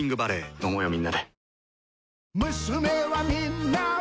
飲もうよみんなで。